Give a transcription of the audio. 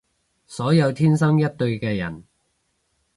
所有天生一對嘅人